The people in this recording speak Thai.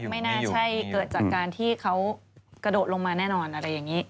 ไม่น่าใช่เกิดจากการที่เขากระโดดลงมาแน่นอนอะไรอย่างนี้